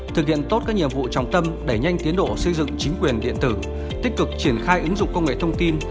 thực hiện tốt các nhiệm vụ trọng tâm để nhanh tiến độ xây dựng chính quyền điện tử tích cực triển khai ứng dụng công nghệ thông tin